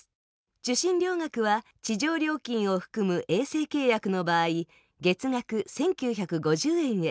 受信料額は地上料金を含む衛星契約の場合月額１９５０円へ。